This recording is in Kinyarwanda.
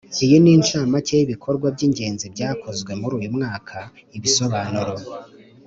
Iyi ni incamake y ibikorwa by ingenzi byakozwe muri uyu mwaka Ibisobanuro